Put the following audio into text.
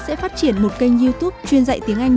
sẽ phát triển một kênh youtube chuyên dạy tiếng anh